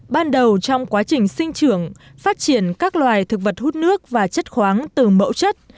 ban đầu trong quá trình sinh trưởng phát triển các loài thực vật hút nước và chất khoáng từ mẫu chất